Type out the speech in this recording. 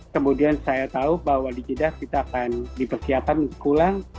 kemudian saya tahu bahwa dijedah kita akan dipersiapkan pulang